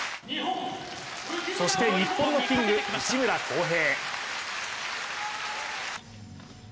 そして日本のキング、内村航平。